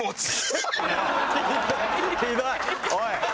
おい！